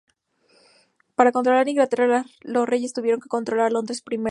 Para controlar Inglaterra, los reyes tuvieron que controlar Londres primero.